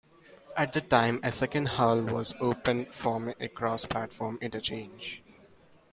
At that time a second hall was opened forming a cross-platform interchange.